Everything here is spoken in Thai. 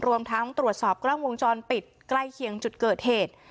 รวมทั้งตรวจสอบกล้องวงจรปิดใกล้เคียงจุดเกิดเหตุ